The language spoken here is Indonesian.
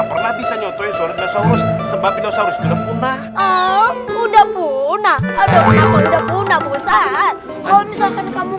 pernah bisa nyotoin sebabnya sudah punah udah punah udah punah kalau misalkan kamu